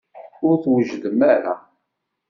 Ur d-twejjdem ara.